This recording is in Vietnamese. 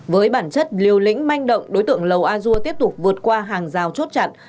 với bản chất liều lĩnh manh động đối tượng lầu a dua tiếp tục vượt qua hàng rào chốt chặn